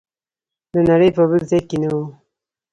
د نړۍ په بل ځای کې نه و.